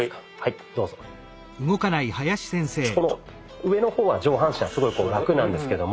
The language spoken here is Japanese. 上の方は上半身はすごいラクなんですけども。